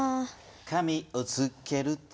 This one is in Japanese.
「紙をつけると」